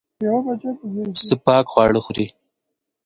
پسه پاک خواړه خوري.